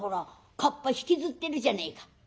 かっぱ引きずってるじゃねえか。